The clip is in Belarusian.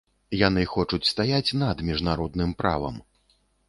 Яны хочуць стаяць над міжнародным правам.